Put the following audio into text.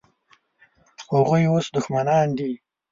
هغوی اوس دښمنان دي.